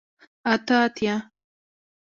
اته اتیا